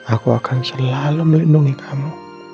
aku akan selalu melindungi kamu